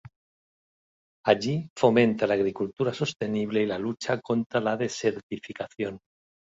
Allí fomenta la agricultura sostenible y la lucha contra la desertificación.